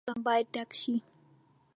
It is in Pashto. زه هره ورځ ښوونځي ته ځم باید ډک شي.